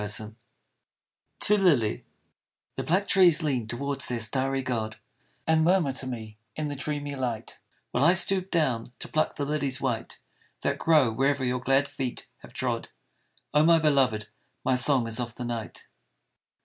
ao TO LILY THE black trees lean towards their starry God And murmur to me in the dreamy light, While I stoop down to pluck the lilies white That grow wherever your glad feet have trod, Oh my beloved! my song is of the night.